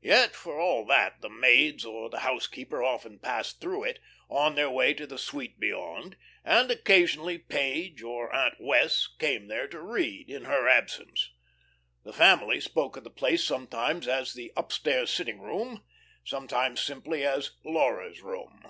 Yet, for all that, the maids or the housekeeper often passed through it, on their way to the suite beyond, and occasionally Page or Aunt Wess' came there to read, in her absence. The family spoke of the place sometimes as the "upstairs sitting room," sometimes simply as "Laura's room."